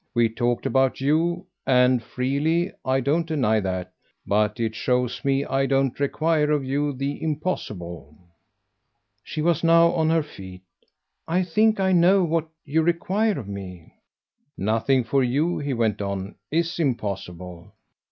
We talked about you and freely. I don't deny that. But it shows me I don't require of you the impossible." She was now on her feet. "I think I know what you require of me." "Nothing, for you," he went on, "IS impossible.